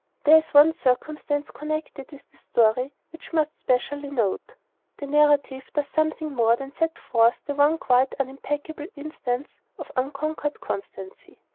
There is one circumstance connected with the story which we must specially note. The narrative does something more than set forth the one quite unimpeachable instance of unconquered constancy.